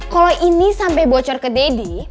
kalau ini sampai bocor ke deddy